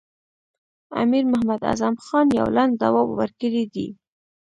امیر محمد اعظم خان یو لنډ ځواب ورکړی دی.